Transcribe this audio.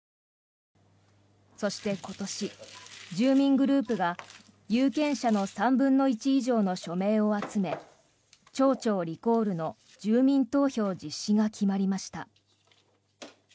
そして、今年住民グループが有権者の３分の１以上の署名を集め町長リコールの住民投票実施が決まりました。